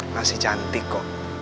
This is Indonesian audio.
masih cantik kok